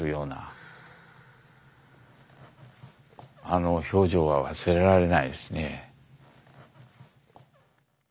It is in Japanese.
あの表情は忘れられないですね。